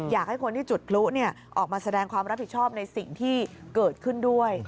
อยากให้คนที่จุดพลุออกมาแสดงความรับผิดชอบในสิ่งที่เกิดขึ้นด้วย